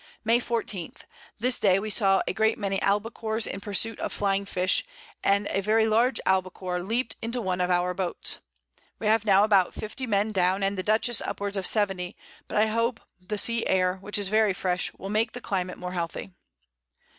May 14. This Day we saw a great many Albacores in pursuit of Flying Fish, and a very large Albacore leap'd into one of our Boats. We have now about 50 Men down, and the Dutchess upwards of 70; but I hope the Sea Air (which is very fresh) will make the Climate more healthy.